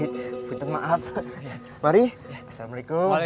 tapi kawan kawan tapi kuan yang mau sesuka ibu tadi ya